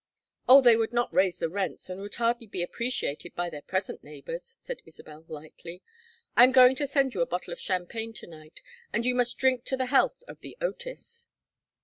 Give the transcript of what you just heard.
"Oh, they would not raise the rents, and would hardly be appreciated by their present neighbors," said Isabel, lightly. "I am going to send you a bottle of champagne to night, and you must drink to the health of The Otis."